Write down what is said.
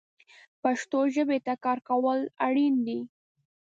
پښتو ژبې ته کار کول اړین دي